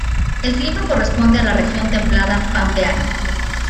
El clima corresponde a la región templada pampeana.